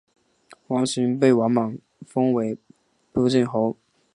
王寻被王莽封为丕进侯。